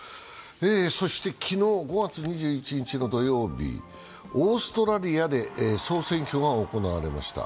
そして昨日、５月２１日の土曜日、オーストラリアで総選挙が行われました。